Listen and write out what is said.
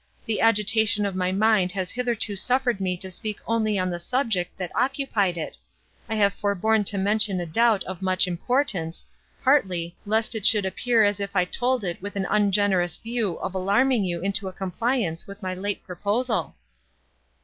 The agitation of my mind has hitherto suffered me to speak only on the subject that occupied it;—I have forborne to mention a doubt of much importance, partly, lest it should appear as if I told it with an ungenerous view of alarming you into a compliance with my late proposal."